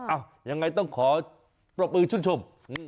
อ้ะยังไงต้องขอปรับมือชุดชม